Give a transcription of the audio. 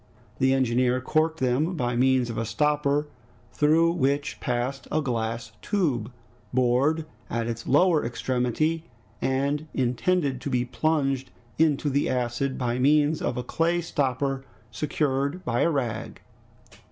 The engineer corked them by means of a stopper through which passed a glass tube, bored at its lower extremity, and intended to be plunged into the acid by means of a clay stopper secured by a rag.